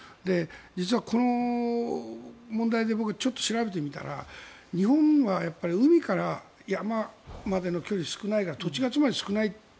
実は、この問題で僕、ちょっと調べてみたら日本は海から山までの距離少ないから土地がつまり少ない。